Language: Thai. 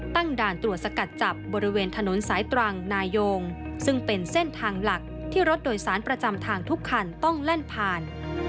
ด่านตรวจสกัดจับบริเวณถนนสายตรังนายงซึ่งเป็นเส้นทางหลักที่รถโดยสารประจำทางทุกคันต้องแล่นผ่าน